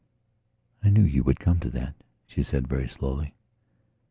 "I knew you would come to that," she said, very slowly.